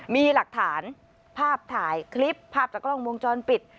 มีหลักฐานภาพถ่ายคลิปภาพจากกล้องวงจรปิด